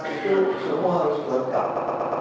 itu semua harus berkata